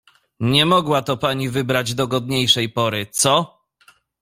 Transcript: "Nie mogła to pani wybrać dogodniejszej pory, co?"